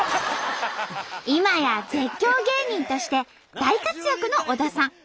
今や絶叫芸人として大活躍の小田さん。